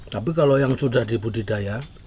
tapi kalau yang sudah di budidaya